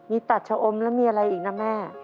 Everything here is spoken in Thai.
มีตัดชะอมแล้วมีอะไรอีกนะแม่